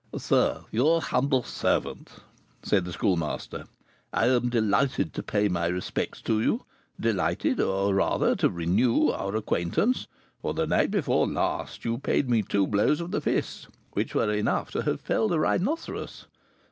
"Sir, your humble servant," said the Schoolmaster. "I am delighted to pay my respects to you delighted or, rather, to renew our acquaintance; for the night before last you paid me two blows of the fist which were enough to have felled a rhinoceros.